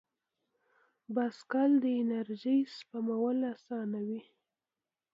بایسکل د انرژۍ سپمول اسانوي.